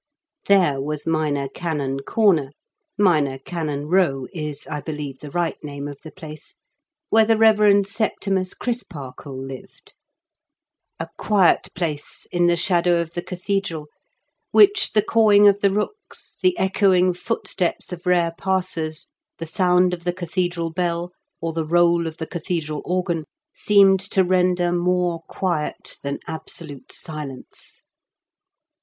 There was Minor Canon Comer — ^Minor Canon Eow is, I believe, the right name of the place — where the Eeverend Septimus MmOE CANON COBNEB. 55 Crispaxkle lived :" a quiet place in the shadow of the cathedral, which the cawing of the rooks, the echoing footsteps of rare passers, the sound of the cathedral bell, or the roll of the cathedral organ, seemed to render more quiet than absolute silence."